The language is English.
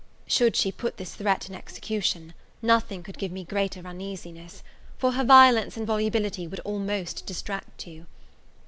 Should she put this threat in execution, nothing could give me greater uneasiness: for her violence and volubility would almost distract you.